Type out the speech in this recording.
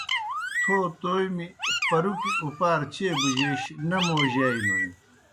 تھو تومیْ پَرُکیْ اُپار چیئے بُجَیش نہ موجائینوئے۔